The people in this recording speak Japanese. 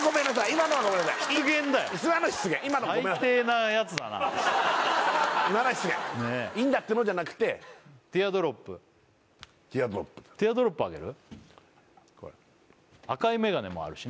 今のは失言「いいんだって」のじゃなくてティアドロップティアドロップあげる？